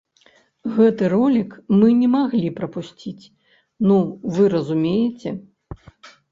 Гэты ролік мы не маглі прапусціць, ну вы разумееце!